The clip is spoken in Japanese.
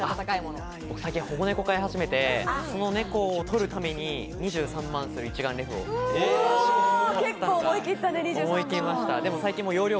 最近、保護猫を飼い始めて、その猫を撮るために２３万する一眼レフを思い切りました。